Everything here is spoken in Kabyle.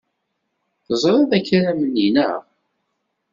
Teẓriḍ akaram-nni, naɣ?